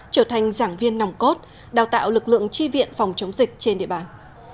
trở thành giảng viên nòng cốt đào tạo lực lượng tri viện phòng chống dịch trên địa bàn